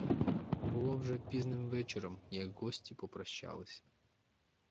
Було вже пізнім вечором, як гості попрощались.